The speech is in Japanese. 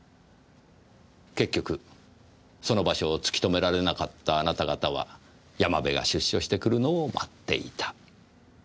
結局その場所を突き止められなかったあなた方は山部が出所してくるのを待っていた。